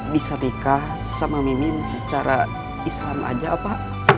bisa nikah sama mimi secara islam aja apa